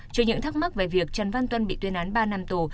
trước những thắc mắc về việc trần văn tuân bị tuyên án ba năm tù